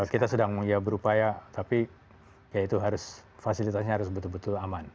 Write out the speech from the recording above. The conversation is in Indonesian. kita sedang berupaya tapi ya itu harus fasilitasnya harus betul betul aman